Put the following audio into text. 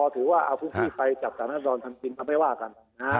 ถือว่าเอาทุกที่ไปจากศาลธรรณภรรณภิมศ์เอาไปว่ากัน